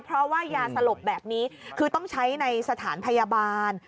เพราะว่ายาสลบแบบนี้คือต้องใช้ในสถานพยาบาล